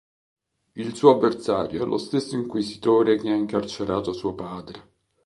Il suo avversario è lo stesso Inquisitore che ha incarcerato suo padre.